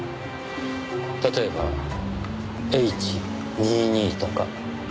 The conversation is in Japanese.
例えば「Ｈ２２」とか。